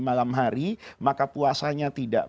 malam hari maka puasanya tidak